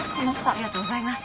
ありがとうございます。